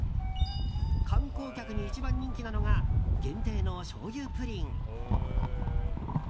観光客に一番人気なのが限定の醤油プリン。